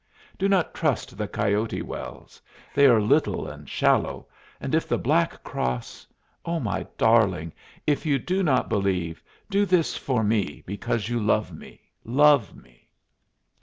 Do not trust the Coyote Wells. They are little and shallow, and if the Black Cross Oh, my darling, if you do not believe, do this for me because you love me, love me!"